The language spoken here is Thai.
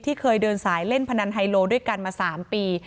เคยเดินสายเล่นพนันไฮโลด้วยกันมา๓ปี